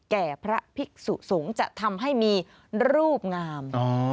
แก่พระภิกษุสงฆ์จะทำให้มีรูปงาม